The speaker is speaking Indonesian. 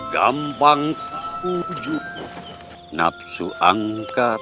gampang pujuk nafsu angkar